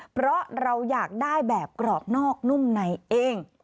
เพราะเราอยากได้แบบกรอบนอกนุ่มในเอง